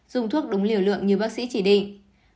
dùng thuốc đúng liều lượng như bác sĩ chỉ định